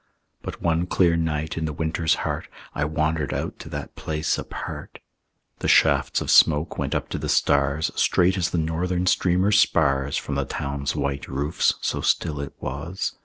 But one clear night in the winter's heart, I wandered out to that place apart. The shafts of smoke went up to the stars, Straight as the Northern Streamer spars, From the town's white roofs, so still it was.